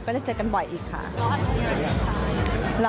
ได้เจอกันบ่อยอีกค่ะ